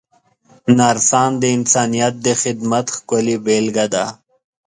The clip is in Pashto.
نرسان د انسانیت د خدمت ښکلې بېلګه ده.